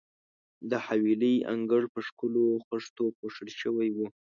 د حویلۍ انګړ په ښکلو خښتو پوښل شوی وو.